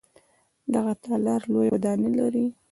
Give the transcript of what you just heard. دغه تالار لویه ودانۍ لري.